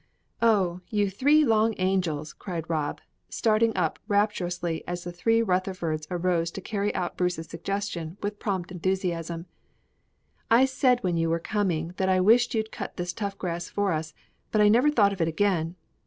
"Oh, you three long angels!" cried Rob, starting up rapturously as the three Rutherfords arose to carry out Bruce's suggestion with prompt enthusiasm. "I said when I saw you coming that I wished you'd cut this tough grass for us, but I never thought of it again.